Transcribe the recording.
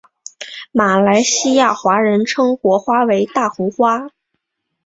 马来西亚华人称国花为大红花。